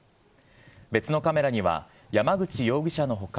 別のカメラには、山口容疑者のほか、